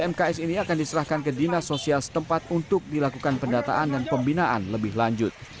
mks ini akan diserahkan ke dinas sosial setempat untuk dilakukan pendataan dan pembinaan lebih lanjut